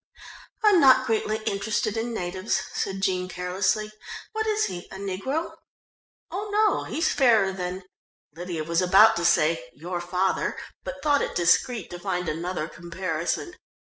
"I'm not greatly interested in natives," said Jean carelessly. "What is he, a negro?" "Oh, no, he's fairer than " Lydia was about to say "your father," but thought it discreet to find another comparison.